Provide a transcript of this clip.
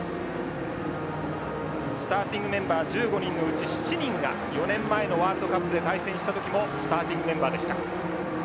スターティングメンバー１５人のうち７人が４年前のワールドカップで対戦した時もスターティングメンバーでした。